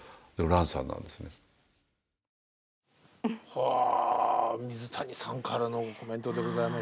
はあ水谷さんからのコメントでございました。